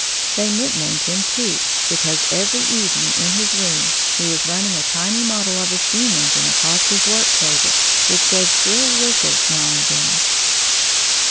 They nicknamed him "Toot," because every evening, in his room, he was running a tiny model of a steam engine across his work table, which gave shrill whistles now and then.